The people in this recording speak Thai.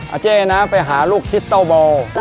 อาเจ๊นะไปหาลูกทิสต้าวโบเรล